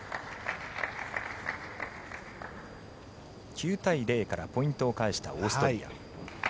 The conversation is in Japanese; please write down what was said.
９対０からポイントを返したオーストリア。